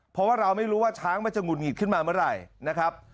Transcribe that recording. เพราะว่าเราไม่รู้ว่าช้างมันจะหุดหงิดขึ้นมาเมื่อไหร่นะครับ